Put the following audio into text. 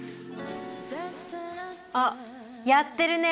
あっやってるねえ。